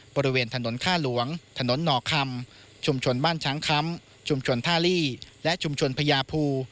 บริเวณถนนท่าหลวงถนนหน่อคำชุมชนบ้านช้างคำชุมชนท่าลี่และชุมชนพญาภู